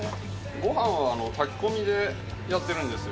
ごはんは炊き込みでやってるんですよ。